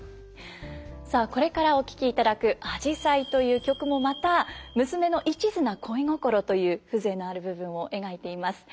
さあこれからお聴きいただく「あじさい」という曲もまた娘の一途な恋心という風情のある部分を描いています。